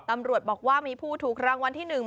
ตำรวจบอกว่ามีผู้ถูกรางวัลที่๑